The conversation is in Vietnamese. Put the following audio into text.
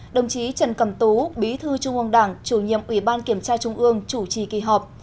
đồng chí trần cẩm tú bí thư trung ương đảng chủ nhiệm ủy ban kiểm tra trung ương chủ trì kỳ họp